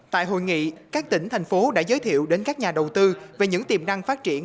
tại hội nghị các tỉnh thành phố đã giới thiệu đến các nhà đầu tư về những tiềm năng phát triển